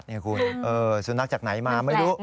นี่คุณสุนัขจากไหนมาไม่รู้